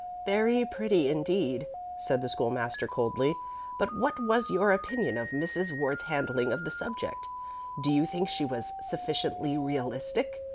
"Very pretty indeed," said the School master, coldly. "But what was your opinion of Mrs. Ward's handling of the subject? Do you think she was sufficiently realistic?